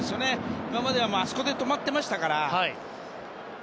今まではあそこで止まっていましたから。